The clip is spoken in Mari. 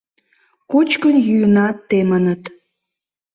Кочкын-йӱынат темыныт.